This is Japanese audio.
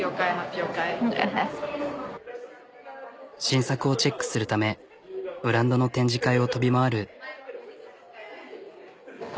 新作をチェックするためブランドの展示会を飛び回る。